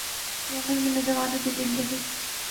یمن میں نوجوانوں کی زندگی